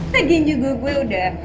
tegin juga gue udah